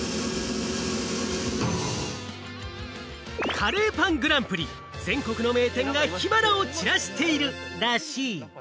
カレーパングランプリ、全国の名店が火花を散らしているらしい。